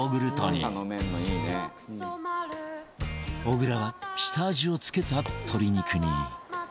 小倉は下味を付けた鶏肉に